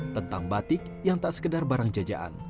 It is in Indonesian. tentang batik yang tak sekedar barang jajaan